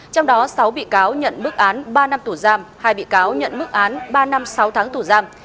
trong đó sáu bị cáo nhận bức án ba năm tù giam hai bị cáo nhận mức án ba năm sáu tháng tù giam